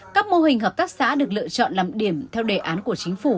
các mô hình hợp tác xã được lựa chọn làm điểm theo đề án của chính phủ